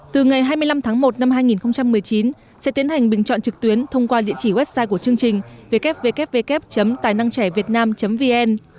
từ ngày hai mươi năm tháng một năm hai nghìn một mươi chín sẽ tiến hành bình chọn trực tuyến thông qua địa chỉ website của chương trình www tainangtrẻvietnam vn